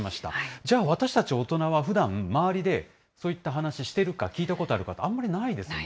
じゃあ、私たち大人はふだん、周りでそういった話ししているか、聞いたことあるかって、あんまりないですよね。